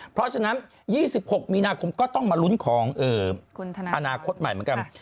เพราะฉะนั้น๒๖มีนาคมก็ต้องมาลุ้นของอนาคตใหม่เหมือนกัน